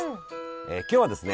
今日はですね